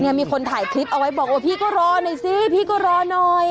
มีคนถ่ายคลิปเอาไว้บอกว่าพี่ก็รอหน่อยสิพี่ก็รอหน่อย